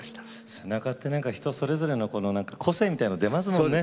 背中って人それぞれの個性みたいなの出ますもんね。